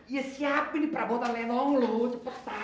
iya siapin di perabotan lenong lu cepetan